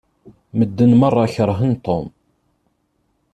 Medden meṛṛa keṛhen Tom.